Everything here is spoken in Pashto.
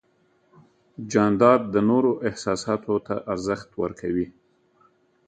جانداد د نورو احساساتو ته ارزښت ورکوي.